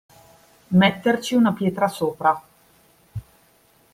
Metterci una pietra sopra.